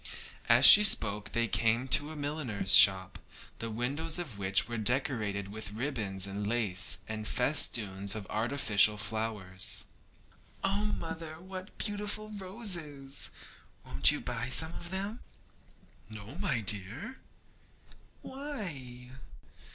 As she spoke they came to a milliner's shop, the windows of which were decorated with ribands and lace and festoons of artificial flowers. 'Oh mother, what beautiful roses! Won't you buy some of them?' 'No, my dear.' 'Why?'